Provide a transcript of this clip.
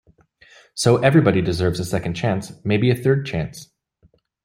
So everybody deserves a second chance, maybe a third chance.